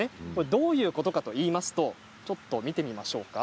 どういうことかといいますと見てみましょうか。